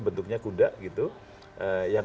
bentuknya kuda gitu yang